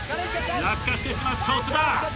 落下してしまった長田。